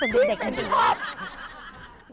พี่เป็นธอม